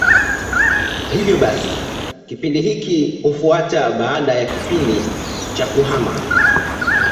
Hivyo basi kipindi hiki hufuata baada ya kipindi cha kuhama.